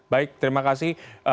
baik terima kasih